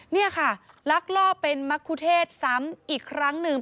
นี่ค่ะลักลอบเป็นมะคุเทศซ้ำอีกครั้งหนึ่ง